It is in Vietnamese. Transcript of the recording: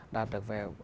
đạt được về